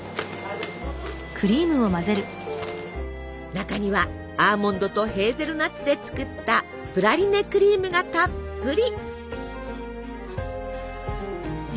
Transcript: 中にはアーモンドとヘーゼルナッツで作ったプラリネクリームがたっぷり。